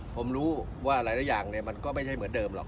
ผมรู้ว่าหลายอย่างก็ไม่เหมือนเดิมเหรอ